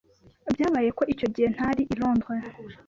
Byabaye ko icyo gihe ntari i Londres.